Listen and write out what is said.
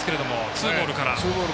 ツーボールから。